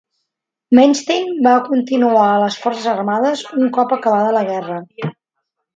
Manstein va continuar a les forces armades un cop acabada la guerra.